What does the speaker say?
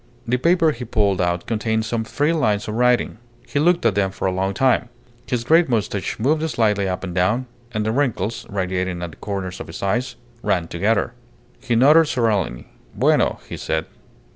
The paper he pulled out contained some three lines of writing. He looked at them for a long time. His grey moustache moved slightly up and down, and the wrinkles, radiating at the corners of his eyes, ran together. He nodded serenely. "Bueno," he said.